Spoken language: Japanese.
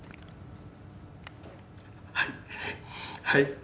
はい。